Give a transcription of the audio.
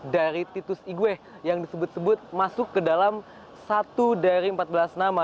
dari titus igue yang disebut sebut masuk ke dalam satu dari empat belas nama